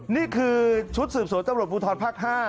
นี่คือชุดสืบสวนตำรวจภูทรภาค๕